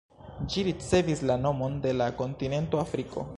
Ĝi ricevis la nomon de la kontinento Afriko.